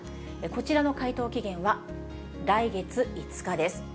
こちらの回答期限は来月５日です。